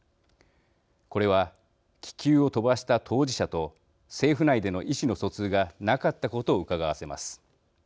これは気球を飛ばした当事者と政府内での意思の疎通がなかったことをうかがわせます。